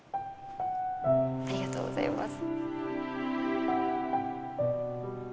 ありがとうございます。